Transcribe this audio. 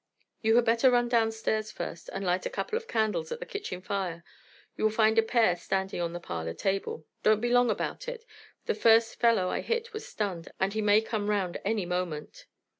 "You had better run downstairs first and light a couple of candles at the kitchen fire: you will find a pair standing on the parlor table. Don't be long about it; the first fellow I hit was stunned, and he may come round any moment."